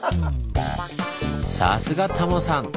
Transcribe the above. さすがタモさん！